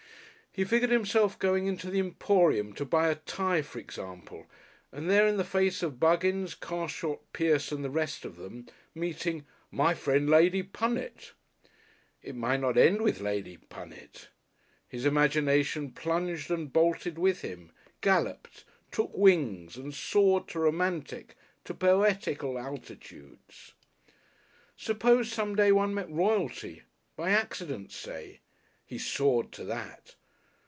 He figured himself going into the Emporium to buy a tie, for example, and there in the face of Buggins, Carshot, Pierce and the rest of them, meeting "my friend, Lady Punnet!" It might not end with Lady Punnet! His imagination plunged and bolted with him, galloped, took wings and soared to romantic, to poetical altitudes.... Suppose some day one met Royalty. By accident, say! He soared to that!